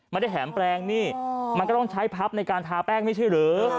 ไม่ได้แถมแปลงนี่มันก็ต้องใช้พับในการทาแป้งไม่ใช่หรือ